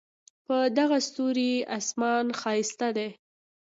په دغه ستوري آسمان ښایسته دی